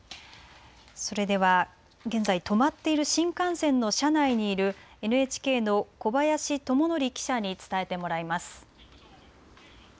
それでは現在止まっている新幹線の車内にいるＮＨＫの小林智紀記者に伝えてもらいます。